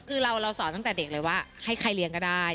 คือเราสอนตั้งแต่เด็กเลยว่าให้ใครเลี้ยงก็ได้